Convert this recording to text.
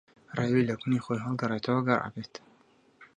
ڕێوی لە کونی خۆی ھەڵگەڕێتەوە گەڕ ئەبێت